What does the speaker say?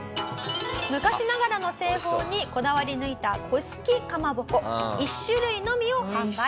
昔ながらの製法にこだわり抜いた古式かまぼこ１種類のみを販売。